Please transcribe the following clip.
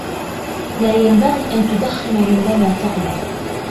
لا ينبغي أن تدخن عندما تعمل.